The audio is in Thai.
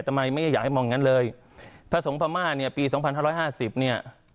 ทำไมไม่อยากให้มองอย่างนั้นเลยพระสงฆ์พม่าเนี่ยปีสองพันห้าร้อยห้าสิบเนี่ย